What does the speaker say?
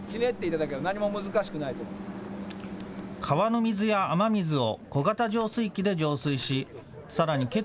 川の水や雨水を小型浄水器で浄水しさらに